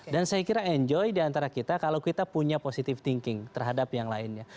dan saya kira enjoy diantara kita kalau kita punya positive thinking terhadap yang lainnya